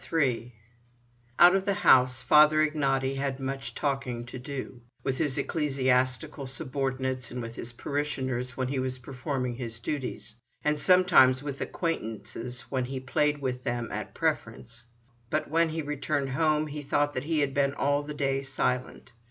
III Out of the house Father Ignaty had much talking to do: with his ecclesiastical subordinates, and with his parishioners when he was performing his duties; and sometimes with acquaintances when he played with them at "Preference." But when he returned home he thought that he had been all the day silent.